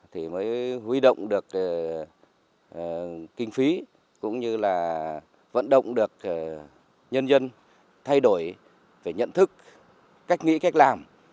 thì mới huy động được kinh phí cũng như là vận động được nhân dân thay đổi về nhận thức cách nghĩ cách làm